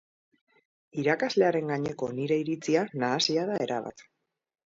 Irakaslearen gaineko nire iritzia nahasia da erabat.